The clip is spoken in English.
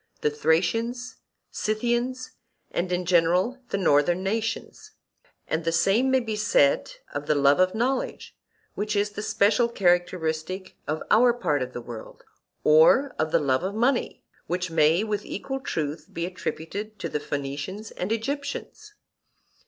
the Thracians, Scythians, and in general the northern nations; and the same may be said of the love of knowledge, which is the special characteristic of our part of the world, or of the love of money, which may, with equal truth, be attributed to the Phoenicians and Egyptians.